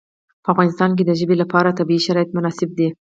په افغانستان کې د ژبې لپاره طبیعي شرایط مناسب دي.